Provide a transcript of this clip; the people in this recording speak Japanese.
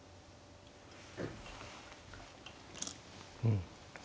うん。